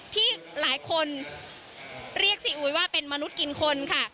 ที่หลายคนเรียกซีอุยว่าเป็นมนุษย์กินคนค่ะ